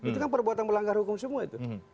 itu kan perbuatan melanggar hukum semua itu